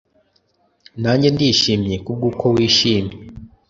nanjye ndishimye kubw’uko wishimye,